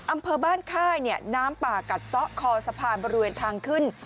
อำเภอบ้านค่ายน้ำป่ากัดซะคอสะพานบริเวณทางขึ้น